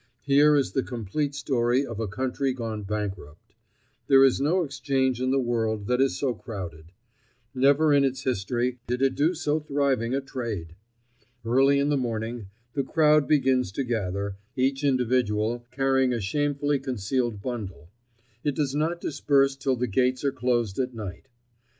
Here is the complete story of a country gone bankrupt. There is no exchange in the world that is so crowded. Never in its history did it do so thriving a trade. Early in the morning the crowd begins to gather, each individual carrying a shamefully concealed bundle; it does not disperse till the gates are closed at night.